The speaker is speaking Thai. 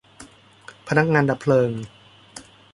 พนักงานดับเพลิง